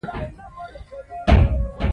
یو تل د همېشه په مانا دی.